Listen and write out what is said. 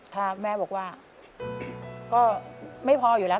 ถ้าแม่บอกว่าก็ไม่พออยู่แล้ว